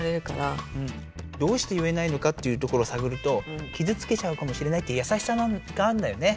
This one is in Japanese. どうして言えないのかっていうところさぐると傷つけちゃうかもしれないってやさしさがあんだよね。